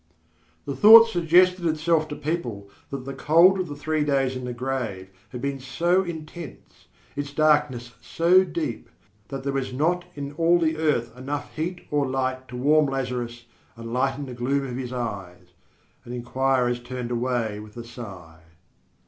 The thought suggested itself to people that the cold of the three days in the grave had been so intense, its darkness so deep, that there was not in all the earth enough heat or light to warm Lazarus and lighten the gloom of his eyes; and inquirers turned away with a sigh.